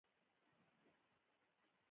کاناډا د کانونو قوانین لري.